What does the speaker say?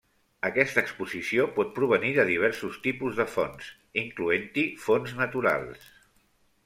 Aquesta exposició pot provenir de diversos tipus de fonts, incloent-hi fonts naturals.